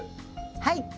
はい！